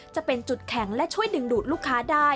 จะเป็นจุดแข็งและช่วยดึงดูดลูกค้าได้